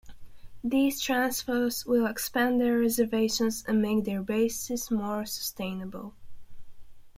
These transfers will expand their reservations and make their bases more sustainable.